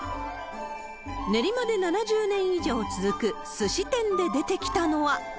練馬で７０年以上続くすし店で出てきたのは。